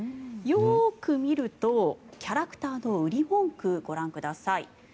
よく見るとキャラクターの売り文句ご覧ください。